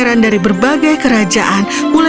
dan ke sentia muito percaya ama ela